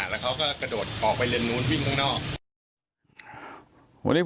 แล้วเขาก็กระโดดออกไปเลนนู้นวิ่งข้างนอก